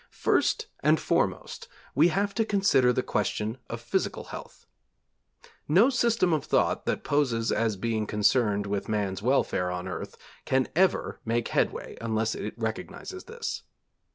First and foremost we have to consider the question of physical health. No system of thought that poses as being concerned with man's welfare on earth can ever make headway unless it recognises this.